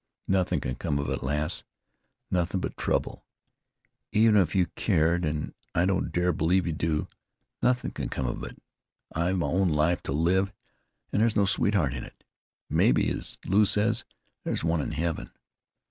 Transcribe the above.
Nothin' can come of it, lass, nothin' but trouble. Even if you cared, an' I don't dare believe you do, nothin' can come of it! I've my own life to live, an' there's no sweetheart in it. Mebbe, as Lew says, there's one in Heaven.